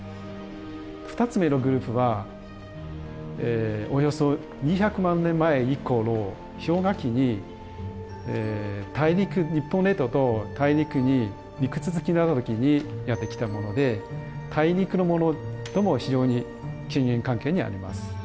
２つ目のグループはおよそ２００万年前以降の氷河期に日本列島と大陸に陸続きになった時にやって来たもので大陸のものとも非常に近縁関係にあります。